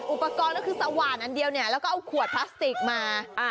อุปกรณ์ก็คือสว่านอันเดียวเนี่ยแล้วก็เอาขวดพลาสติกมา